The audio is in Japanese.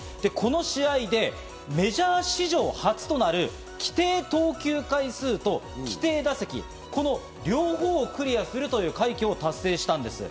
この試合でメジャー史上初となる規定投球回数と規定打席、この両方をクリアするという快挙を達成したんです。